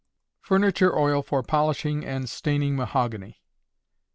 _Furniture Oil for Polishing and Staining Mahogany.